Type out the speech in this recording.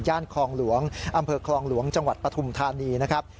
คลองหลวงอำเภอคลองหลวงจังหวัดปฐุมธานีนะครับ